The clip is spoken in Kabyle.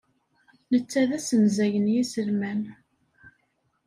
Netta d asenzay n yiselman.